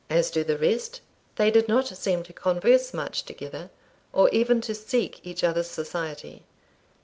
As to the rest, they did not seem to converse much together, or even to seek each other's society.